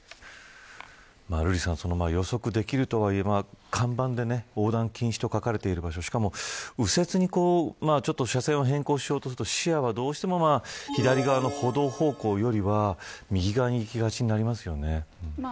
予測できるとはいえ看板で横断禁止と書かれている場所でしかも、右折で車線変更しようとすると視野は左側の歩道方向よりは右側にいきがちになりますよね。